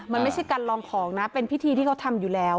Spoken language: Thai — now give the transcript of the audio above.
มันไม่ใช่การลองของนะเป็นพิธีที่เขาทำอยู่แล้ว